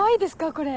これ。